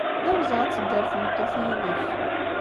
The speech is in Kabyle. D awezɣi ad tedder tmeṭṭut yid-k.